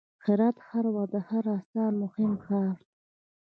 هرات هر وخت د خراسان مهم ښار و.